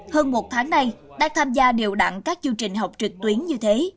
hơn một tháng nay đang tham gia điều đặn các chương trình học trực tuyến như thế